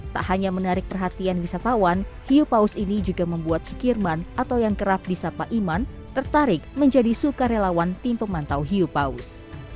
tak hanya menarik perhatian wisatawan hiupaus ini juga membuat sekirman atau yang kerap disapa iman tertarik menjadi sukarelawan tim pemantau hiupaus